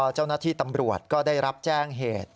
เจ้าหน้าที่ตำรวจก็ได้รับแจ้งเหตุ